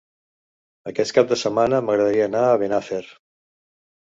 Aquest cap de setmana m'agradaria anar a Benafer.